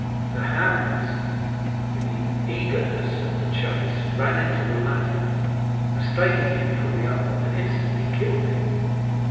The hounds, in the eagerness of the chase, ran into the latter, mistaking him for the other, and instantly killed him.